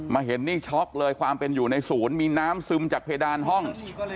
เห็นนี่ช็อกเลยความเป็นอยู่ในศูนย์มีน้ำซึมจากเพดานห้อง